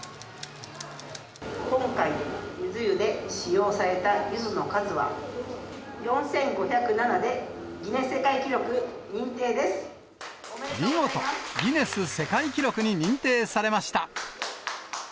今回、ゆず湯で使用されたゆずの数は、４５０７で、ギネス世界記録認定見事、ギネス世界記録に認定されました。